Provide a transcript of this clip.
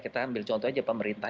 kita ambil contoh aja pemerintah